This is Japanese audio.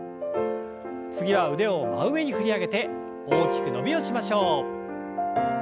次は腕を真上に振り上げて大きく伸びをしましょう。